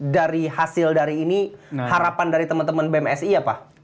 dari hasil dari ini harapan dari teman teman bmsi apa